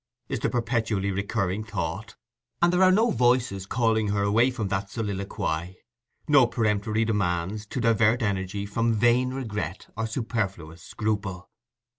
is the perpetually recurring thought; and there are no voices calling her away from that soliloquy, no peremptory demands to divert energy from vain regret or superfluous scruple.